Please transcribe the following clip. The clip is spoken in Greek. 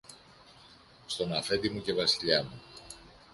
Στον Αφέντη μου και Βασιλιά μου